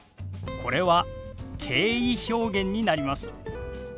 これは敬意表現になります。